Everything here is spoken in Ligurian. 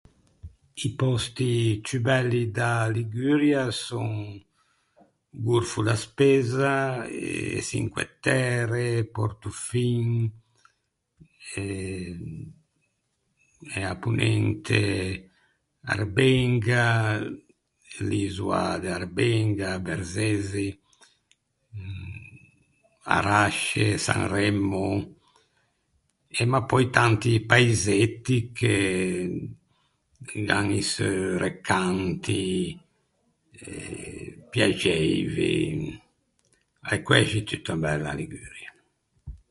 I pòsti ciù belli da Liguria son o Gorfo da Spezza e e Çinque Tære, Portofin e e à Ponente Arbenga, l’Isoa de Arbenga, Berzezzi, Arasce, Sanremmo e ma pöi tanti paisetti che gh’an i seu recanti eh piaxeivi. A l’é quæxi tutta bella a Liguria.